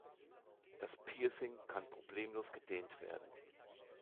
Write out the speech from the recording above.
Das Piercing kann problemlos gedehnt werden.